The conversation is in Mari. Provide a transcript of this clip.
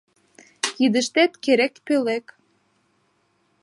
Кидыштет керек пӧлек